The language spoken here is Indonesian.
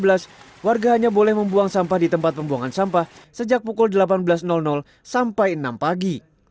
dua belas warga hanya boleh membuang sampah di tempat pembuangan sampah sejak pukul delapan belas sampai enam pagi